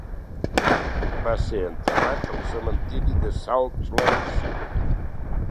Va ser enterrat al cementiri de Salt Lake City.